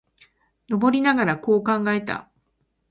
登りながら、こう考えた。